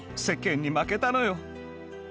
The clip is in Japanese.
世間に負けたのよ。